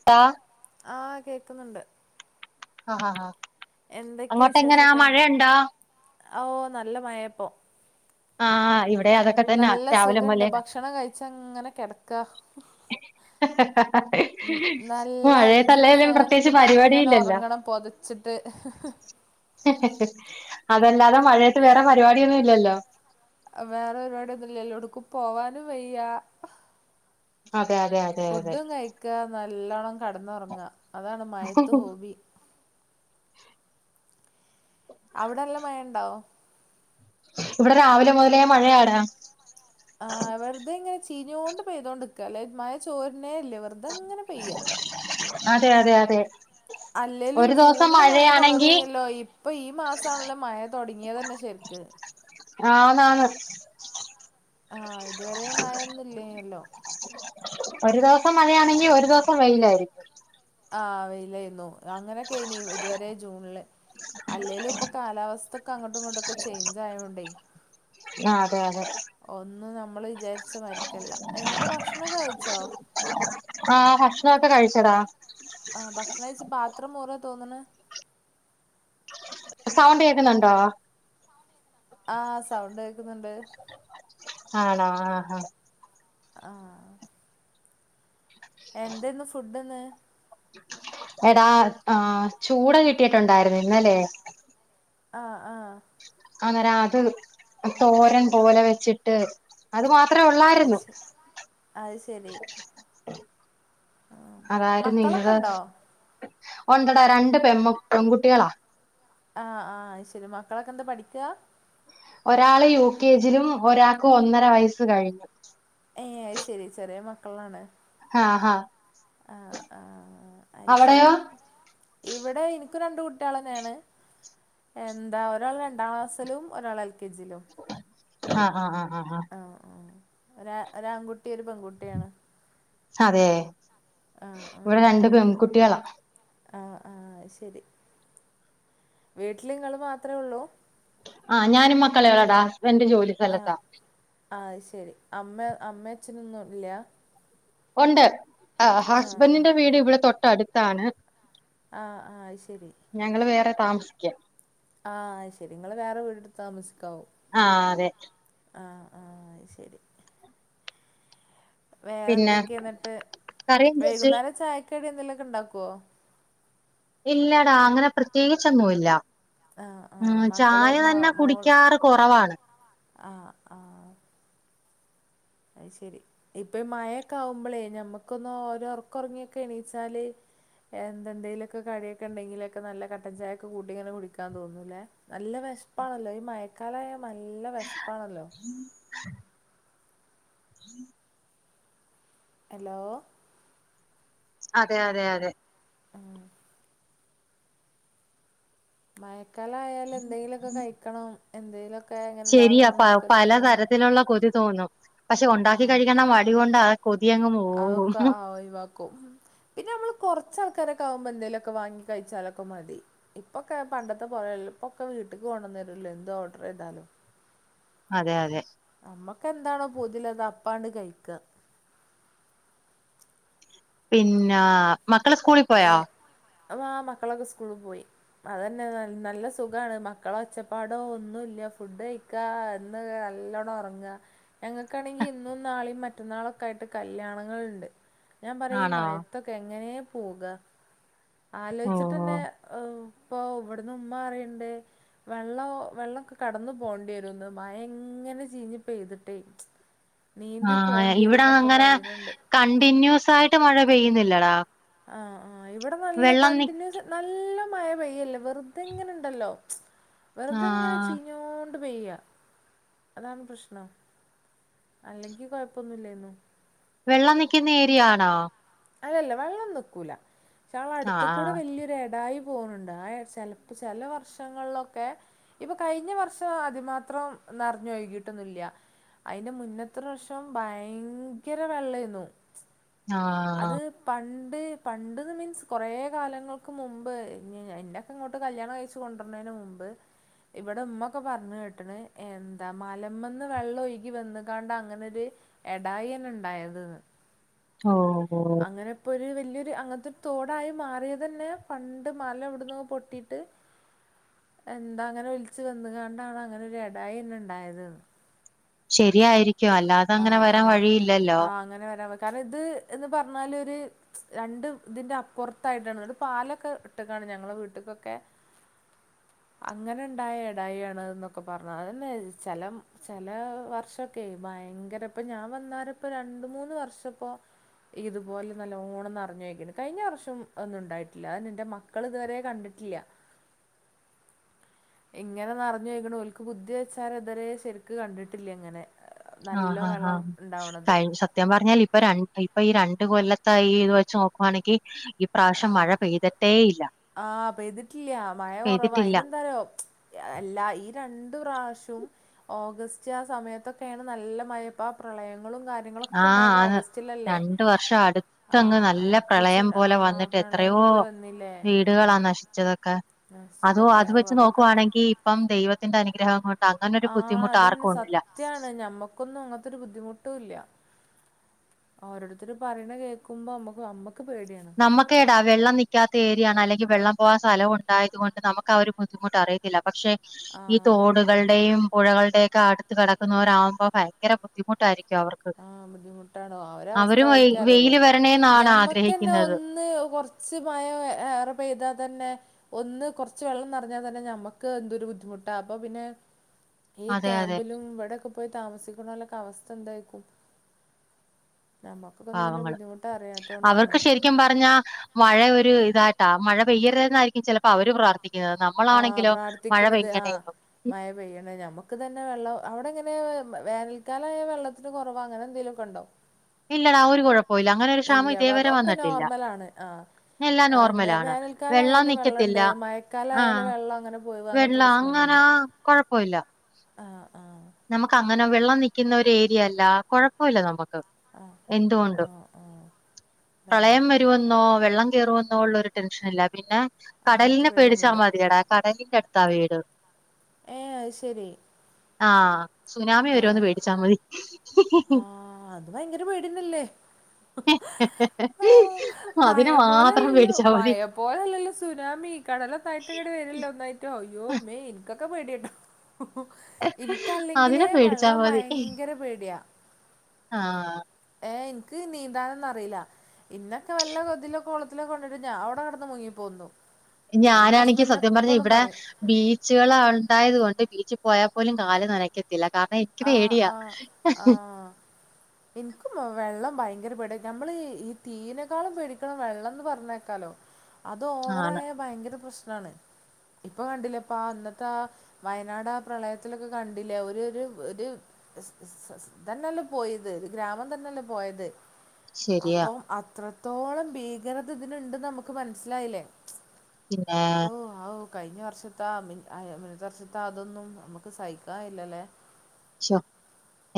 [unintelligible] ആഹ് കേൾക്കുന്നുണ്ട് ആ ഹാ ഹാ എന്തൊക്കെയ അങ്ങോട്ടെങ്ങനാ വിശേഷൊക്കെ? മഴയുണ്ടോ ഓ നല്ല മയേപ്പൊ ആ ഇവിടെ അത് നല്ല സുഖണ്ട് ഭക്ഷണം കഴിച്ചങ്ങനെ കെടക്കാ ഉ നല്ല അഞ്ചില് മഴയത്തല്ലേലും ഫാൻ പ്രത്യേകിച്ച് ട്ടുട്ട് അങ്ങനെ പരിപാടിയില്ലല്ലോ ഒറങ്ങണം പൊത ച്ട്ട് അതല്ലാതെ മഴയത്ത് വേറെ പരിപാടിയൊന്നു ഇല്ലല്ലോ വേറെ [unintelligible] ഒന്നുംല്ലല്ലോട്ക്കും പോവാനും വയ്യ അതെ അതെ അ ഫുഡും കഴിക്ക നല്ലോണ്ണം കടന്നൊറങ്ങ അതാണ് മയത്ത് ഹോബി അവിടല്ല മയണ്ടോ ഇവ്ടെ രാവിലെ മുതലേ മഴയാട ആ വെറുതെ ങ്ങനെ ചീഞ്ഞോണ്ട് പെയ്തോണ്ട്ക്ക ല്ലെ മയ ചോര്നേ ഇല്ല്യ വെറുതങ്ങന പെയ്യാ അതെ അതെ അതെ അല്ലേലും ഒരു ദിവസം ജൂണില് മയ മഴയാണെങ്കി കൊറവേല്ലോ പ്പൊ ഈ മാസാണല്ലോ മയ തൊടങ്ങിയതന്നെ ശര്ക്ക് ആ ന്നാണ് ആ ഇതുവരെ മയെന്നു ല്ലേൻല്ലോ ഒരു ദിവസം മഴയാണെങ്കി ഒരു ദിവസം വെയിലായി ആ വെയിലായിന്നു അങ്ങനെക്കെയിനി ഇതുവരെ ജൂൺല് അല്ലേലും പ്പൊ കാലാവസ്ഥൊക്കെ അങ്ങട്ടും ഇങ്ങട്ടൊക്കെ ചേഞ്ച് ആയോണ്ടയ് ആ അതെ അതെ ഒന്നും നമ്മള് വിചാരിച്ച മാരിക്കല്ല എന്നിട്ട് ഭക്ഷണൊക്കെ കഴിച്ചോ ആ ഭക്ഷണൊക്കെ കഴിച്ചടാ ആ ഭക്ഷണം കഴിച്ച് പാത്രം മോറ തോന്ന്ണ് സൗണ്ട് കേക്ന്ന്ണ്ടോ ആ സൗണ്ട് കേക്ന്ന്ണ്ട് ആണോ ആ അ ആ എന്തന്ന് ഫുഡ് ന്ത ന്ന് എടാ ആ ചൂട് കിട്ടിയിട്ടുണ്ടായിരുന്നു ന്നല്ലേ ആ ആ ആ ന്നേരം അത് തോരൻ പോലെ വെച്ചിട്ട് അത് മാത്രേ അത് ഉള്ളായിരുന്നു ശരി അത് ശരി അതായിരുന്നു ഇന്നത് മക്കളൊക്കെണ്ടോ ഒണ്ടട രണ്ട് പെമ പെൺകുട്ട്യാളാ ആഹ ആ ശരി മക്കളൊക്കെ ന്താ പഠിക്ക ഒരാള് യു കെജിലും ഒരാക്ക് ഒന്നര വയസ്സ് കഴിഞ്ഞു ഏ ഐശരി ചെറിയ മക്കളാണ് ഹാ ഹാ ആ ആ അവിടെയോ ഐശരി ഇവിടെ എനിക് രണ്ട് കുട്ടയേയേള ന്നേണ് എന്താ ഒരാൾ രണ്ടാം ക്ലാസ്സിലും ഒരാൾ എൽ കെ ജിലും ആ ആ ആ ആ ആ ആ ആ ഒരാ ഒരാൺകുട്ടി ഒരു പെൺകുട്ടിയാണ് അതെ ആഹ് ഇവിടെ ആഹ് രണ്ട് പെൺകുട്യളാ ആഹ് ആഹ് ശരി വീട്ട്ല് ങ്ങൾ മാത്രേ ള്ളൂ? ആ ഞാനും മക്കളെളടാ ഹസ്ബന്ഡ് ജോലി. ആഹ് സ്ഥലത്താ അഹ്ശരി അമ്മേ അമ്മേ ഛനൊന്നുംല്ല. ഉണ്ട് ആഹ് ആഹ് ഹസ്ബൻ്റിന്റെ വീട് ഇവിടെ തൊട്ടടുത്താണ്. ആഹ് ആഹ് അഹ് ശെരി. ഞങ്ങള് വേറെ താമസിക്കാ. ആഹ് അഹ്ശരി ങ്ങള് വേറെ വീട് ട് താമസിക്കാവും. ആഹ് അതെ ആഹ് ആഹ് അഹ്ശെരി. പിന്നെ വേറെന്തെക്കെന്ന്ട്ട് കറി എന്ത് വെച്ച് വൈകുന്നേരം ചായക്കടിന്തെലൊക്കെണ്ടാക്കൊ? ഇല്ലടാ അങ്ങനെ പ്രത്യേകിച്ചൊന്നുല്ല. ആഹ് ഉം ആഹ് മക്കള് മോ ചായതന്നെ മോൾ കുടിക്കാറ് കൊറവാണ്. ആഹ് ആഹ് അയ്ശെരി ഇപ്പേ മഴക്കാവുമ്പളേ ഞമ്മക്കൊന്ന് ഒരൊർക്കൊ ർങ്ങി ക്കെ എണീച്ചാല്. എന്തന്തെലൊക്കെ കടിയൊക്കെ ണ്ടെങ്കിലൊക്കെ നല്ല കട്ടൻ ചായൊക്കെ കൂട്ടിങ്ങനെ കുടിക്കാ തോന്നൂല്ലേ. നല്ല വെഷ്പ്പാണല്ലോ ഈ മഴക്കാലായ നല്ല വെഷ്പ്പാണല്ലോ. [inaudible] [inaudible] ഹലോ അതെ അതെ അതെ ഉം മയക്കാലായാലെന്തെലൊക്കെ കഴിക്കണം. എന്തെലൊ ശെരിയാ പഹ് പല തരത്തിലുള്ള കൊതി തോന്നും. പക്ഷെ ഒണ്ടാക്കി ആഹ് കഴിക്കണ മടി കൊണ്ടാകൊതിയങ്ങ് മോവും. ക്കും പിന്നെമ്മള് കൊറച്ചൾക്കാരൊക്കാവുമ്പോ എന്തേലൊക്കെ വാങ്ങി കഴിച്ചാലൊക്കെ മതി. ഇപ്പൊക്കെ പണ്ടത്തെ പോലെല്ലപ്പൊക്കെ വീട്ട്ക്ക് കൊണ്ടന്ന ര്‌ല്ലെ എന്ത് ഓർഡ്രയ്താലും. അതെ അതെ അമ്മക്കെന്താണോ പൂതിള്ളത് അപ്പാണ്ട് കഴിക്ക. പിന്നാ മക്കള് സ്കൂളി പോയോ? അവാ മക്കളൊക്കെ സ്കൂള് പോയി. അതന്നെ ന നല്ല സുഖാണ് മക്കളൊച്ചപ്പാടോ ഒന്നുല്ല്യ ഫുഡയ് ക്കാ ന്ന് നല്ലോണ്ണം ഒറ്ങ്ങ. ഞങ്ങക്കാണെങ്കി ഇന്നും നാളിം മറ്റന്നാളൊക്കായിട്ട് കല്യാണങ്ങൾണ്ട്. ഞാ പറ്യ ഈ ആണോ? മഴത്തൊക്കെ എങ്ങനെ പോക. ഓ ആലോയ്ച്ച്ട്ടന്നെ പ്പൊ ഇവ്ട്ന്ന് ഉമ്മറിണ്ട് വെള്ളൊ വെള്ളക്കെ കടന്നു പോണ്ടെരുംന്ന് മഴങ്ങനെ ചീഞ്ഞ് പെയ്തിട്ടേ. നീന്തി ആഹ് പോകേണ്ടി വരും ഇവട എന്നൊക്കെ അങ്ങനെ പറയുന്നുണ്ട് കണ്ടിന്യൂസായിട്ട് മഴ പെയ്യുന്നില്ലടാ. ആഹ് ആഹ് ഇവ്ടെ നല്ല വെള്ളം നി കണ്ട്ന്യൂസ് നല്ലമഴ പെയ്യല്ല. വെറുതെങ്ങനെണ്ടല്ലോ? ആ വെറുതെങ്ങനെ ചീഞ്ഞോണ്ട് പെയ്യ. അതാണ് പ്രശ്നം അല്ലെങ്കി കൊഴപ്പൊന്നുല്ലായ്ന്നു. വെള്ളം നിക്ക്ന്ന ഏരിയ ആണോ? അതല്ല വെള്ളം നിക്കൂല ക്ഷെ ആ അട്ത്ത്കൂടെ വല്യരു എടായി പോണുണ്ട് ആ ചെൽപ്പോ ചെല വർഷങ്ങൾളൊക്കെ ഇപ്പൊ കഴിഞ്ഞ വർഷം അതിമാത്രം നർഞ്ഞൊഴ്കിട്ടൊന്നില്ല്യ. അയ്ന്റെ മുന്നെത്രർഷം ഭയങ്കര വെള്ളയ്ന്നു. ആ ആ അത് പണ്ട് പണ്ട് മീൻസ് കൊറേ കാലങ്ങൾക്ക് മുമ്പ് എന്റെ ന്നെങ്ങോട്ട് കല്യാണം കഴിച്ച് കൊണ്ടര് ണേനെ മുമ്പ് ഇവടെമ്മൊക്കെ പറഞ്ഞെട്ട്ണ് എന്താ മലമന്ന് വെള്ളൊഴുകി വന്ന്കാണ്ടങ്ങനൊര് എടായന്നെണ്ടായത് ന്ന്. ഓഹ് ഓഹ് ഇപ്പോരു വല്യരു അങ്ങന്‌ത്തൊരു തോടായി മാറിയതന്നെ പണ്ട് മലവ് ട്ന്നോപൊട്ടിട്ട് [inaudible] എന്താങ്ങനെ ഒൽച്ച് വന്ന്കാണ്ടാണങ്ങനൊരു എടായന്നെണ്ടായത്‌ന്ന് ശെരിയായിരിക്കു അല്ലാതങ്ങനെ വരാൻ വഴിയില്ലല്ലോ അങ്ങനെവരാനി കാരണം ഇത് എന്ന് പറഞ്ഞാലൊര് രണ്ടുത്‌ന്റെ അപ്പൊർത്തായിട്ടാണ്ളത് ത്പാലൊക്കെ വട്ടക്കാണ് ഞങ്ങള വീട്ടക്കൊക്കെ. അങ്ങനെണ്ടായ എടായിയാണ് എന്നൊക്കെ പർഞ്ഞ് അതന്നെ ചെലം ചെലേ വർഷൊക്കേ ഭയ ഭയങ്കരപ്പ ഞാൻ വന്നാരപ്പ രണ്ട് മൂന്ന് വർഷപ്പോ ഇതുപോലെ നല്ലോണംനർഞ്ഞൊഴുകീണ് കഴിഞ്ഞ വർഷം ഒന്നും ഉണ്ടായിട്ടില്ല നിന്റെ മ ക്കള് ഇതുവരെ കണ്ടിട്ടില്ല ഇങ്ങനെ നർഞ്ഞൊഴ്ക്ണത് ഓൽക്ക് ബുദ്ധി വെച്ചാരെ ശരിക്ക് കണ്ടിട്ടില്ല്യങ്ങനെ. ആഹ് ഹാ ഹാ കഴി സത്യം പറഞ്ഞാലിപ് ഇപ്പൊ രൺ ഇപ്പൊ ഈ രണ്ട് കൊല്ലത്തായി ഇത് വെച്ച് നോക്കുവാണെങ്കി ഇപ്രാവശ്യം മഴ പെയ്തി ട്ടേയില്ല ആഹ് പെയ്തിട്ടില്ല മഴ കൊറവാ അയിന് എന്താറിയോ എ എല്ലാ ഈ രണ്ട്പ്രാവശ്യും ഓഗസ്റ്റ് ആ സമയത്തൊക്കെയാണ് നല്ല മയപ്പ ആ പ്രളയങ്ങളും കാര്യ ആഹ് ര്യങ്ങളൊക്കെണ്ടായത് ആന്ന് ഓഗസ്റ്റിലല്ലേ രണ്ട് വർഷം അടുത്തങ്ങ് ആഹ് നല്ല പ്രളയം അട്പ്പിച്ച്ണ്ട് പോലെ ആഹ് വന്നിട്ട് പ്രളയം എത്രയോ പോലെ വന്നില്ലേ. വീടുകളാ ആഹ് നശിച്ചതൊക്കെ അതോ നശിച്ചതൊക്കെ അത് ഓ, വെച്ച് അതൊക്കെ നോക്കുവാണെങ്കി ഇപ്പം ദൈവത്തിന്റെ അനുഗ്രഹം കൊണ്ട് അങ്ങനൊ ബുദ്ധിമുട്ട് ആർക്കുണ്ടില്ല ത്യാണ് ഞമ്മക്കൊന്നും അങ്ങത്തൊരു ബുദ്ധിമുട്ടുംല്ല. ഓരോടുത്തരു പറയ്ണ് കേൾക്കുമ്പോ അമ്മ അമ്മക്ക് പേടിയാണ്. നമുക്കേടാ വെള്ളം നിക്കാത്ത ഏരിയാണ് അല്ലെങ്കി വെള്ളം പോകാ സ്ഥലം ഉണ്ടായത് കൊണ്ട് നമുക്ക് ആ ഒരു ബുദ്ധിമുട്ട് അറിയത്തില്ല പക്ഷേ ഈ ആഹ് അറിയുന്നില്ല തോടുകളുടെയും പുഴകളുടെ ഒക്കെ അടുത്ത് കിടക്കുന്നവരാകുമ്പോ ഭയങ്കര ബുദ്ധിമുട്ടായിരിക്കും. അവർക്ക് ആഹ് ബുദ്ധിമുട്ടാണോ അവര അവസ്ഥ അവരും വെയി അവൽക്കെഅറിയൊള്ളു വെയില് വരണേന്നാണ് ഞമ്മക്ക്ന്നെ ആഗ്രഹിക്കുന്നത് ഒന്ന് ന്ന് കൊർച്ച് മയ ഏ ഏറെ പെയ്താ തന്നെ. ഒന്ന് കൊർച്ച് വെള്ളം നെർഞ്ഞാ തന്നെ ഞമ്മക്ക് എന്തൊരു ബുദ്ധിമുട്ടാ അപ്പൊ പിന്നെ. ഈ അതെ അതെ ക്യാമ്പിലും ഇവിടെയൊക്കെ പോയി താമസിക്ക്ണോലൊക്കെ അവസ്ഥ എന്തായിരിക്കും. നമ്മുക്കൊക്കന്നും ഇതിന്റെ പാവങ്ങള് ബുദ്ധിമുട്ട് അറിയാതോണ്ടാണ്. [unintelligible] പറഞ്ഞാ മഴ ഒരു ഇതായിട്ടാ മഴ പെയ്യരുത് എന്നായിരിക്കും ചെലപ്പോ അവര് പ്രാർത്തിക്കുന്നത് നമ്മ ആഹ് നമ്മളാണെങ്കിലോ മഴ പ്രാർത്ഥിക്കണത് ആഹ് പെയ്യണേന്നും മഴ പെയ്യണേ നമുക്ക്തന്നെ വെള്ളം അവിടെ എങ്ങനെ വേനൽക്കാലമായ വെള്ളത്തിന് കുറവ അങ്ങനെ എന്തെങ്കിലൊക്കെണ്ടോ ഇല്ലടാ ഒരു കുഴപ്പോല്ല അങ്ങനെ ഒരു ക്ഷാമം ഇല്ല കൊഴ ഇതേവരെ ഒക്കെ വന്നിട്ടില്ലാ. നോർമലാണ് ആഹ് എല്ലാം ആഹ് എന്താ നോർമലാണ് വെള്ളം വേനൽക്കാലായാലും നിക്കത്തില്ല വെള്ളണ്ട് മഴക്കാലായാലും ആഹ് വെള്ളം അങ്ങനെ പോവാ അങ്ങനത്തെ വെള്ളം അങ്ങനാ. പ്രശ്നൊന്നുല്ല കൊഴപ്പോഇല്ലാ ആഹ് ആഹ് നമുക്കങ്ങനെ വെള്ളം നിക്കുന്ന ഒരു ഏരിയ അല്ല കൊഴപ്പോല്ല നമുക്ക് ആഹ് എന്തുകൊണ്ടും. ആഹ് ആഹ് പ്രളയം വരുമെന്നോ വെള്ളം കേറുമെന്നോ ഉള്ള ഒരു ടെൻഷനില്ലാ പിന്നെ. അങ്ങനത്തെ കടലിനെ പേടിച്ചാൽ പേടിയൊന്നുല്ല മതിയടാ കടലിന്റെ അടുത്താ വീട്. ഏ അഹ്ശരി ആഹ് സുനാമി വരോന്ന് പേടിച്ചാ മതി. ആഹ് അത് ഭയങ്കര പേടിന്നെല്ലേ ആഹ് അതിനെ മയ മാത്രം പോലല്ലല്ലോ പേടിച്ചാ മതി. മയപോ പോലെല്ലല്ലോ സുനാമി കടലൊന്നായിട്ട്ങ്ങട് വരല്ലോ ഒന്നായിട്ടോ അയ്യോ മേ എനിക്കൊക്കെ പേടിയാട്ടൊ. [unintelligible] അതിനെ ഇൻക്കല്ലെങ്കിലേ പേടിച്ചാ വെള്ളം മതി. ഭയങ്കര പേടിയാ. ആഹ് ഏഹ്, ഇൻക്ക് നീന്താനൊന്നും അറീല്ല ഇന്നൊക്കെ വല്ല കൊതിലൊ കൊളത്തിലൊക്ക കൊണ്ടിട്ട ഞാൻ അവിടെ കിടന്ന് മുങ്ങിപ്പൊന്തും. ഞാനാണങ്കി സത്യം പറഞ്ഞ ഇവിടെ പറയും ബീച്ച്. ച്ച്കള ഉണ്ടായതു കൊണ്ട് ബീച്ചിൽ പോയാൽ പോലും കാല് നനയ്ക്ക ഇല്ല കാ [unintelligible] ഇൻക്ക് ആഹ് പേടിയാ ആഹ് [unintelligible] ആഹ് ഇൻക്കും വെള്ളം ഭയങ്കര പേടിയാ, നമ്മള് ഈ തീനേക്കാളും പേടിക്കണം വെള്ളംന്ന് പറഞ്ഞേക്കാലോ അത് ആണ്. ഓവറായാൽ ഭയങ്കര പ്രശ്നാണ്. ഇപ്പൊ കണ്ടില്ലേപ്പാ ഇന്നത്തെ ആ വയനാട് ആ പ്രളയത്തിലൊക്കെ കണ്ടില്ലേ ഒരു ഒരു ഒരു സ് സ് സ് ഇതന്നല്ലേ പോയത്, ഒരു ഗ്രാമം തന്നെല്ലേ പോയത്. ശരിയാ അപ്പം അത്രത്തോളം ഭീകരത ഇതിനുണ്ടെന്ന് നമുക്ക് മനസ്സിലായില്ലേ പിന്നാ ഹു ഹാവു! കഴിഞ്ഞ വർഷത്താ മിൻ ആ [unintelligible] വർഷത്താ അതൊന്നും നമുക്ക് സഹിക്കാ ഴില്ലല്ലേ ശ്ശൊ!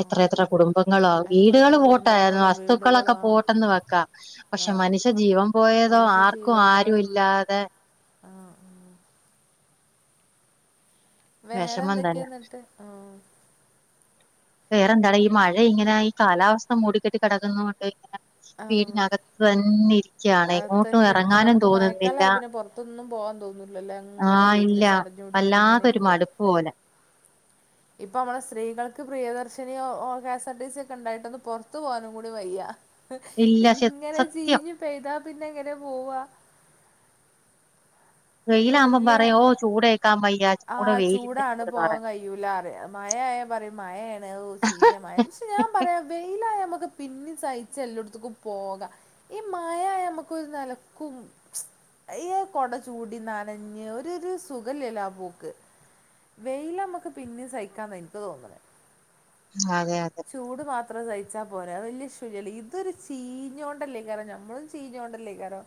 എത്ര എത്ര കുടുംബങ്ങളാ, എത്ര വീടേൽ എത്ര പോട്ടെ കുടുംബങ്ങളും വീടുകളും വസ്തുക്കളൊക്കെ ആ പോട്ടെന്ന് വെക്കാം ആ പക്ഷെ മനുഷ്യ ജീവൻ പോയതോ, ആർക്കും ആരും ഇല്ലാതെ ആഹ് ആഹ് വേറെ വിഷമം എന്തൊക്കെയാ തന്നെ ന്നട്ട്? ആഹ് വേറെന്താണ്, ഈ മഴ ഇങ്ങനെ ഈ കാലാവസ്ഥ മൂടിക്കെട്ടി കെടക്കുന്ന കൊണ്ട് ഇങ്ങനെ ആ വീടിനക [unintelligible] [unintelligible] ണെ. അത് ങ്ങോട്ടും തന്നെ എടുക്കണം എറങ്ങാനും നമുക്ക് തോന്നുന്നില്ല. മഴക്കാലായ പിന്നെ പുറത്തൊന്നും പോകാൻ തോന്നൂലല്ലോ അങ്ങനെ ആഹ് വീട്ടില് ഇല്ല ചടഞ്ഞൂടി അങ്ങനെ വല്ലാത്തൊരു മടുപ്പ് പോലെ ഇപ്പം നമ്മള സ്ത്രീകൾക്ക് പ്രിയദർശിനിയോ കെഎസ് ആർ ടി സി ഒക്കെ ഉണ്ടായിട്ടൊന്ന് പൊറത്തു പോകാനും കൂടി വയ്യ. ഇല്ല ശ- എങ്ങനെ സത്യം ചീഞ്ഞു പെയ്താ പിന്നെ എങ്ങനെ പോവാ ഇപ്പൊ വെയിലാവുമ്പോ വല്യ പറയു, ഓ! ചൂടേക്കാൻ വയ്യ, ചൂട് വെയിലിന്റെ ചൂട്ന്ന് പറയാ ഴിയൂലറിയ, മഴാ ആയാ പറയും മഴാണ് ഓ! ചീഞ്ഞ മഴ. ക്ഷെ ഞാൻ പറയാ വെയിലായ നമുക്ക് പിന്നിം സഹിച്ച് എല്ലോട്ത്ത്ക്കും പോക ഈ മഴ ആയാ നമുക്കൊരു നെലക്കും സ് ഈ കൊട ചൂടി നനഞ്ഞ് ഒരു ഒരു സുഖല്ലല്ലൊ ആ പോക്ക്. വെയിൽ നമ്മുക്ക് പിന്നെ സഹിക്കാന്ന എനിക്ക് തോന്ന്ന്നത് അതെ അതെ ചൂട് മാത്രം സഹിച്ചാൽ പോരെ, വലിയ ശുൽല്ലല്ലോ. ഇതൊരു ചീഞ്ഞൊണ്ടല്ലേ അയ്ക്കാരം നമ്മളും ചീഞ്ഞൊണ്ടല്ലെ അയ്ക്കാരം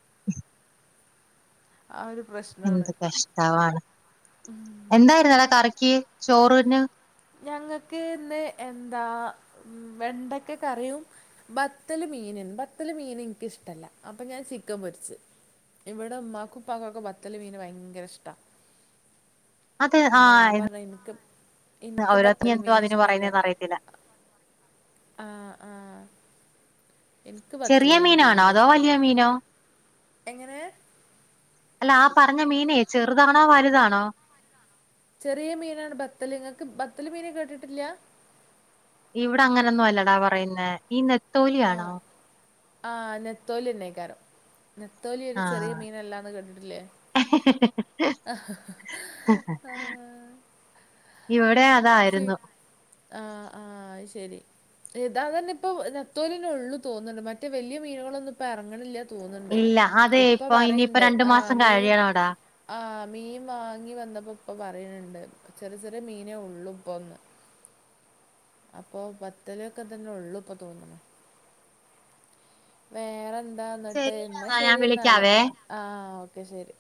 [unintelligible] ആഹ് ഒരു പ്രശ് എന്ത്‌ കഷ്താവാണ് എന്തായിര്ന്ന് കറിക്ക് ചോറീന്? ഞങ്ങൾക്ക് ഇന്ന് എന്താ മ് വെണ്ടക്കാ കറിയും ബത്തല് മീന്, ബത്തല് മീൻ ഇൻക്കിഷ്ട്ടല്ല. അപ്പൊ ഞാൻ ചിക്കൻ പൊരിച്ച്. ഇവിടെ ഉമാക്കും ഉപ്പാക്കും ഒക്കെ ബത്തല് മീന് ഭയങ്കര ഇഷ്ട അത് ആ അതാ ഞാ പറഞ ഇൻക്ക് ഇൻക്ക് ഓരോരുത്തർ ബത്തല് എന്തോ മീൻ അതിന് ഇഷ്ടല്ല പറയുന്നേന്ന് അറിയത്തില്ല ആഹ് ആഹ് ഇൻക്ക് ചെറിയ ബത്തല് മീന് മീനാണോ തീരെ അതോ ഇഷ്ടല്ല. വലിയ മീനോ എങ്ങനെ? അല്ല ആ പറഞ്ഞ മീനേ, ചെറുതാണോ വലുതാണോ? ചെറീ മീനാണ് ബത്തല് നിങ്ങക്ക് ബത്തല് മീന് കേട്ടിട്ടില്ല ഇവിടെ അങ്ങനെൊന്നും അല്ലടാ പറയുന്നെ ഈ ആ നെത്തോലിയാണോ ആ നെത്തോലി തന്നയ്ക്കാരം നെത്തോലി ഒരു ആ ചെറിയ മീനല്ലാന്ന് കേട്ടിട്ടില്ലേ [unintelligible] [unintelligible] ഇവിടെയാ ഫി ആഹ് ആഹ് അയ്ശരി ഇതാതന്നെ ഇപ്പൊ നത്തോലിന്നെ ഉള്ളു തോുന്നുന്നു മറ്റേ വലിയ മീനുകളൊന്നും ഇപ്പ എറങ്ങണില്ല തോന്നണ്ട് ഇല്ല അതെ ഉപ്പ ഇപ്പൊ ഇനിയിപ്പോ പറയണ്ട് രണ്ടു ആഹ് മാസം മീൻ കഴിയണോടാ ആഹ് മീൻ വാങ്ങി വന്നപ്പോ ഉപ്പ പറയണണ്ട് ചെറിയ ചെറിയ മീനേ ഉള്ളു ഇപ്പൊന്ന് അപ്പൊ പത്തലൊക്കെ തന്നെ ഉള്ളൂ ഇപ്പൊ തോന്നുന്നു വേറെന്താ എന്നിട്ട് ഇന്നാ ശരിടാ ഞാൻ ശരി എന്നാല് വിളിക്കാവേ ആഹ് ഓക്കെ ശരി